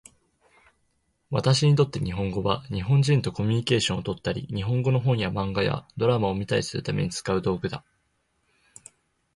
私にとって日本語は、日本人とコミュニケーションをとったり、日本語の本や漫画やドラマを見たりするために使う道具だ。